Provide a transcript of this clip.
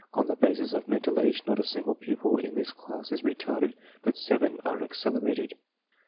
On the basis of mental age not. a .single pupil. in this class is retarded, but seven are accelerated.